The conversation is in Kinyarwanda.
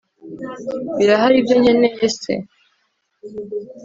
birahari ibyo nkeneye se